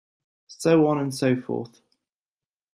So on and so forth.